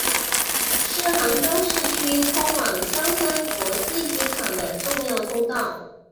是杭州市区通往萧山国际机场的重要通道。